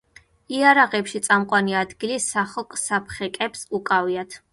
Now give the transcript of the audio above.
იარაღებში წამყვანი ადგილი სახოკ-საფხეკებს უკავიათ.